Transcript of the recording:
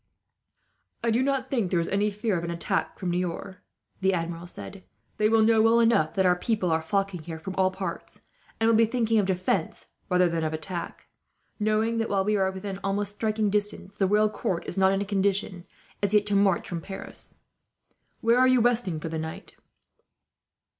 "I do not think there is any fear of an attack from Niort," the Admiral said. "They will know, well enough, that our people are flocking here from all parts; and will be thinking of defence, rather than of attack, knowing that, while we are almost within striking distance, the royal army is not in a condition, as yet, to march from Paris. "Where are you resting for the night?"